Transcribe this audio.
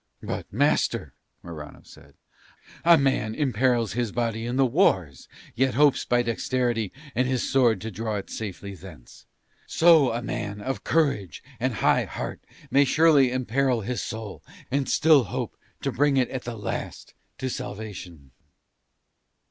"But, master," Morano said, "a man imperils his body in the wars yet hopes by dexterity and his sword to draw it safely thence: so a man of courage and high heart may surely imperil his soul and still hope to bring it at the last to salvation."